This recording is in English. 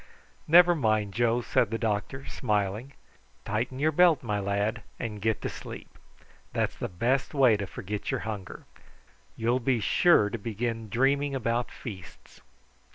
"Never mind, Joe," said the doctor smiling; "tighten your belt, my lad, and get to sleep. That's the best way to forget your hunger. You'll be sure to begin dreaming about feasts."